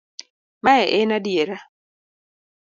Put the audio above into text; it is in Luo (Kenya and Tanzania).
Mae en adiera.